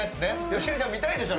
芳根ちゃん見たいでしょ？